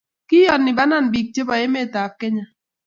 Kiyonei panan piik chebo emet ab Kenya